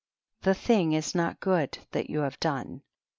the thing is not good, that you have done.